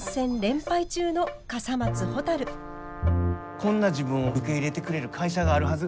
こんな自分を受け入れてくれる会社があるはず